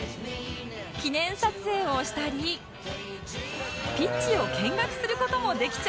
記念撮影をしたりピッチを見学する事もできちゃうんです